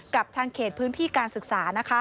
กับทางเขตพื้นที่การศึกษา